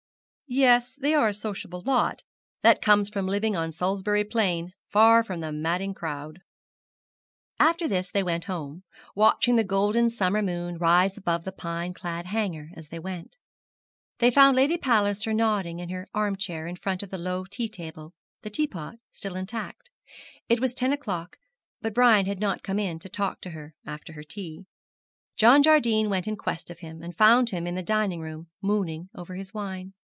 'Yes, they are a sociable lot. That comes from living on Salisbury Plain, far from the madding crowd.' After this they went home, watching the golden summer moon rise above the pine clad Hanger as they went. They found Lady Palliser nodding in her arm chair in front of the low tea table, the teapot still intact. It was ten o'clock, but Brian had not come in to talk to her after her tea. John Jardine went in quest of him, and found him in the dining room, mooning over his wine.